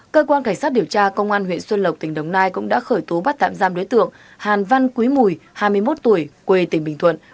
cơ quan cảnh sát điều tra công an huyện xuân lộc tỉnh đồng nai cũng đã khởi tố bắt tạm giam đối tượng hàn văn quý mùi hai mươi một tuổi quê tỉnh bình thuận